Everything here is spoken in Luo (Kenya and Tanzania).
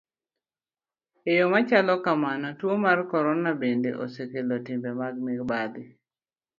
E yo machalo kamano, tuo mar corona bende osekelo timbe mag mibadhi.